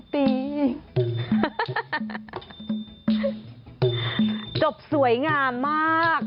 ปีภาษ